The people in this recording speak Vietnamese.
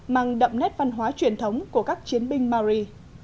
mang đậm nét văn hóa truyền thống của các chiến binh mari